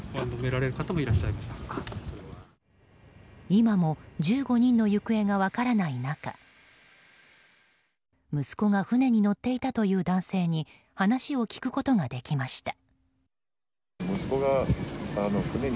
今も１５人の行方が分からない中息子が船に乗っていたという男性に話を聞くことができました。